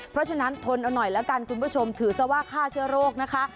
เพราะฉะนั้นทนเอาหน่อยแล้วกันคุณผู้ชมถือซะว่าฆ่าเชื้อโรคนะคะ